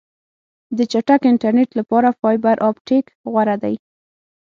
د چټک انټرنیټ لپاره فایبر آپټیک غوره دی.